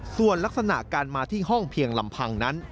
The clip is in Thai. ส่วนลักษณะการมาที่ห้องเพียงลำพังนั้น